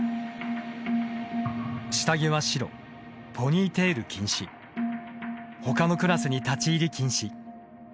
下着は白、ポニーテール禁止ほかのクラスに立入禁止。